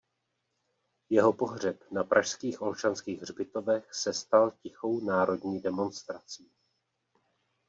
Jeho pohřeb na pražských Olšanských hřbitovech se stal tichou národní demonstrací.